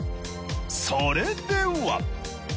それでは。